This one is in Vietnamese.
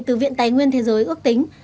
từ viện tài nguyên thế giới ước tính